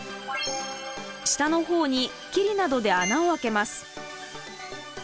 下の方にきりなどで穴を開けます。